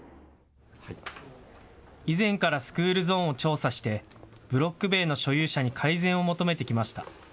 以前からスクールゾーンを調査してブロック塀の所有者に改善を求めてきました。